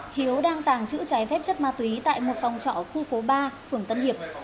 hiếu đang tàng trữ trái phép chất ma túy tại một phòng trọ khu phố ba phường tân hiệp